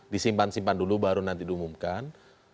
disimpan simpan dulu baru nanti diumumkan